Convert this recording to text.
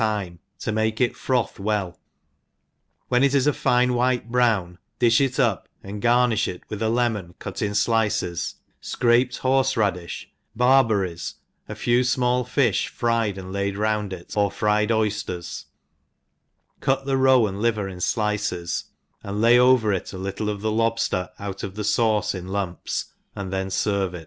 ai time to make it froth well ; when it is a fine vrhite brown^ di{h it up, and garni(h it with a lemon ,cut in flices, fcraped horfe radi(h» bar berries, a few fmall fi(hfryed and laid round it» or fryed oydcrs; cut the roe and liver in dices, and lay over it a little of the lobfter out of the fauce in lumps, and then ferve it.